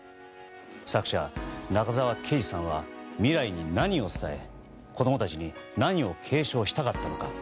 作者・中沢啓治さんは未来に何を伝え子供たちに何を継承したかったのか。